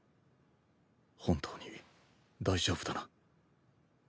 本当に大丈夫だな？